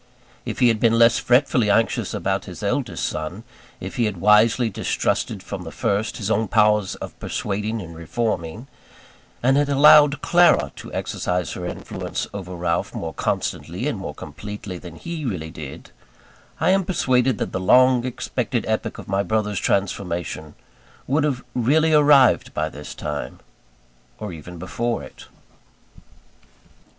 If he had been less fretfully anxious about his eldest son; if he had wisely distrusted from the first his own powers of persuading and reforming, and had allowed Clara to exercise her influence over Ralph more constantly and more completely than he really did, I am persuaded that the long expected epoch of my brother's transformation would have really arrived by this time, or even before it.